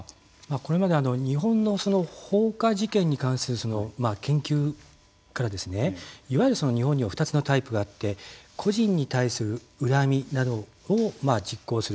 これまで日本の放火事件に関する研究からいわゆる日本には２つのタイプがあって個人に対する恨みなどを実行する。